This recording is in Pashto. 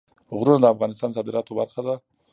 غرونه د افغانستان د صادراتو برخه ده.